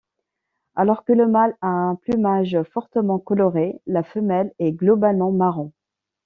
Alors que le mâle a un plumage fortement coloré, la femelle est globalement marron.